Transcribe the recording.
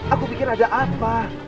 aku bikin ada apa